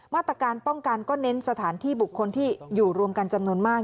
มาตรการป้องกันก็เน้นสถานที่บุคคลที่อยู่รวมกันจำนวนมาก